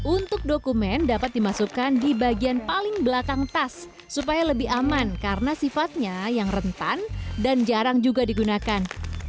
untuk dokumen dapat dimasukkan di bagian paling belakang tas supaya lebih aman karena sifatnya yang rentan dan jarang juga digunakan